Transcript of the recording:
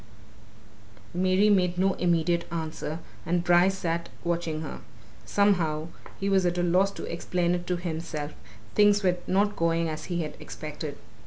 Mary made no immediate answer, and Bryce sat watching her. Somehow he was at a loss to explain it to himself things were not going as he had expected.